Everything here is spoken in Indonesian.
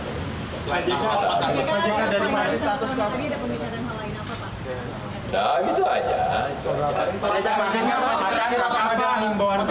pak jk dari selat romi tadi ada pembicaraan hal lain apa pak